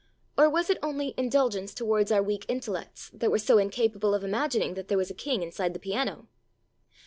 Or was it only indulg ence towards our weak intellects, that were so incapable of imagining that there was a king inside the piano?